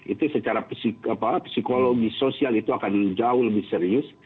itu secara psikologi sosial itu akan jauh lebih serius